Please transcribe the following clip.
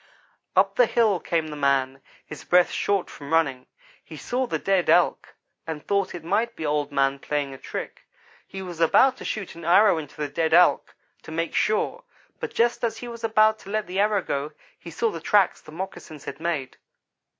"Up the hill came the man, his breath short from running. He saw the dead Elk, and thought it might be Old man playing a trick. He was about to shoot an arrow into the dead Elk to make sure; but just as he was about to let the arrow go, he saw the tracks the moccasins had made.